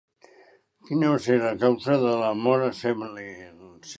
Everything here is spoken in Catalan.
Quina va ser la causa de la mort de Sèmele?